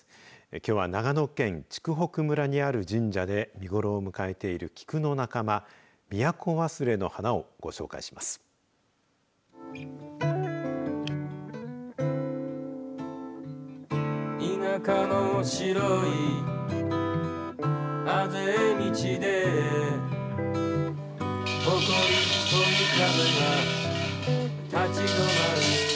きょうは長野県筑北村にある神社で見頃を迎えているキクの仲間ミヤコワスレの花をご紹介します。